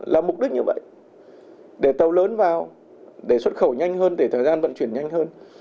là mục đích như vậy để tàu lớn vào để xuất khẩu nhanh hơn để thời gian vận chuyển nhanh hơn